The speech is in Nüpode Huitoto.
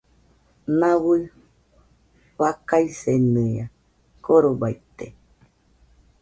Nau fakaisenia korobaite